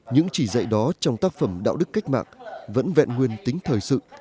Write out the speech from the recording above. những chỉ dạy đó trong tác phẩm đạo đức cách mạng vẫn vẹn nguyên tính thời sự